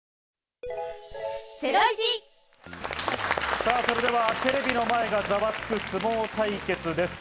さぁ、それではテレビの前がざわつく相撲対決です。